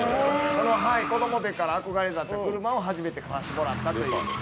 子供のときから憧れて、車を初めて買わせてもらったという。